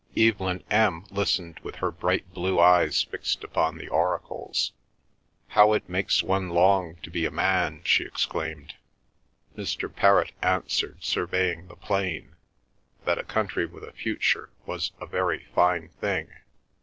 Evelyn M. listened with her bright blue eyes fixed upon the oracles. "How it makes one long to be a man!" she exclaimed. Mr. Perrott answered, surveying the plain, that a country with a future was a very fine thing.